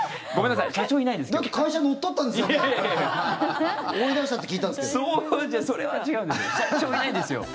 だって会社、乗っ取ったんですよね？